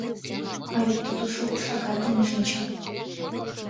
— А вет тудо шуко шагат дене шинча.